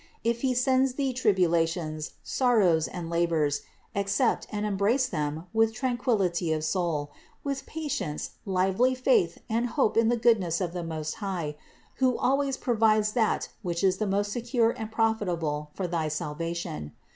If He sends thee tribula tions, sorrows and labors, accept and embrace them with tranquillity of soul, with patience, lively faith and hope in the goodness of the Most High, who always provides that which is the most secure and profitable for thy salva tion.